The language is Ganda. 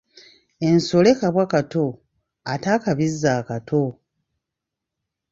Ensole kabwa kato ate akabizzi akato?